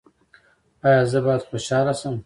ایا زه باید خوشحاله شم؟